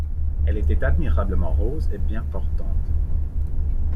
Elle était admirablement rose et bien portante.